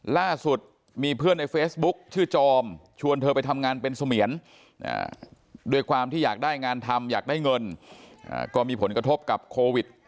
ล่าสุดมีเพื่อนในเฟซบุ๊คชื่อจอมชวนเธอไปทำงานเป็นเสมียนด้วยความที่อยากได้งานทำอยากได้เงินก็มีผลกระทบกับโควิด